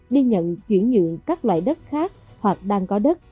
đi nhận chuyển nhượng các loại đất khác hoặc đang có đất